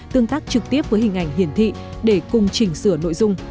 tương tác trực tiếp với hình ảnh hiển thị để cùng chỉnh sửa nội dung